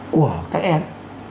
của các em